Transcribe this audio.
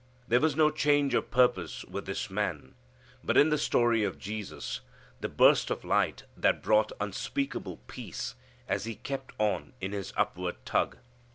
There was no change of purpose with this man, but, in the story of Jesus, the burst of light that brought unspeakable peace as he kept on in his upward tug.